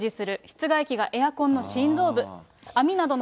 室外機がエアコンの心臓部。